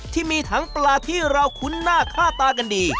ที่มีทั้งปลาที่เราคุ้นหน้าค่าตากันดี